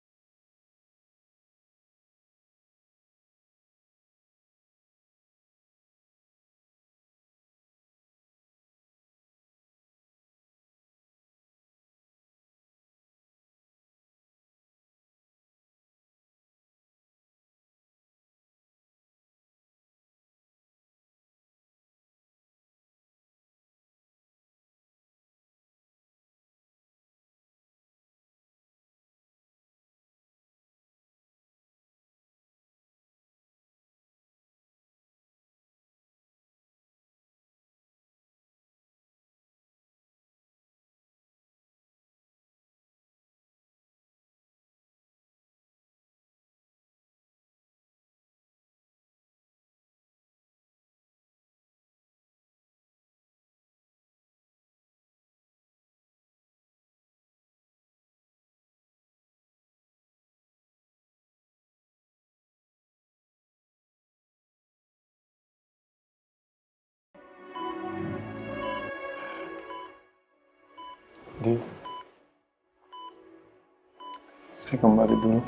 aku pengen jangan jalan jalan kok